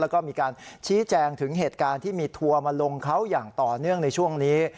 แล้วก็มีการชี้แจงถึงเหตุการณ์ที่มีทัวร์มาลงเขาอย่างต่อเนื่องในช่วงนี้